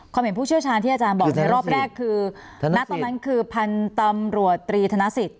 เห็นผู้เชี่ยวชาญที่อาจารย์บอกในรอบแรกคือณตอนนั้นคือพันธุ์ตำรวจตรีธนสิทธ